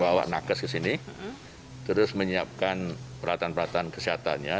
bawa nakes ke sini terus menyiapkan peralatan peralatan kesehatannya